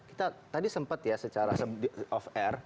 kita tadi sempat ya secara off air